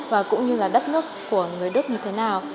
và cũng như là đất nước của người đức như thế nào